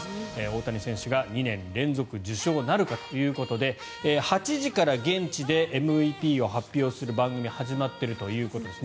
大谷選手が２年連続受賞なるかということで８時から現地でＭＶＰを発表する番組が始まっているということです。